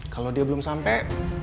kalau dia belum sampai